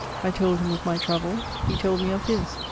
I told him of my travels, he told me of his.